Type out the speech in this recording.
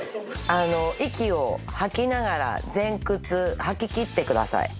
あの息を吐きながら前屈吐ききってください